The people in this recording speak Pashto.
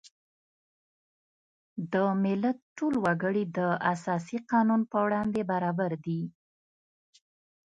د ملت ټول وګړي د اساسي قانون په وړاندې برابر دي.